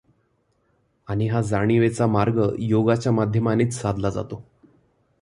आणि हा जाणीवेचा मार्ग योगाच्या माध्यमानेच साधला जातो.